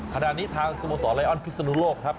ขณะนี้ทางสโมสรไลออนพิศนุโลกครับ